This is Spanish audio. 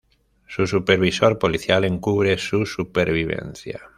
Su supervisor policial encubre su supervivencia.